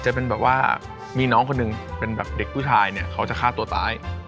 จะเป็นแบบว่ามีน้องคนหนึ่งเป็นแบบเด็กผู้ชายเนี่ยเขาจะฆ่าตัวตาย